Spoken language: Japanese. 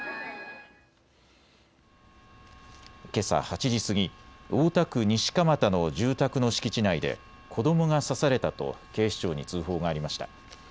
けさ８時過ぎ、大田区西蒲田の住宅の敷地内で子どもが刺されたと警視庁に通報がありました。